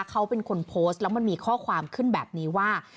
เขาเป็นคนโพสต์แล้วมันมีข้อความขึ้นแบบนี้ว่า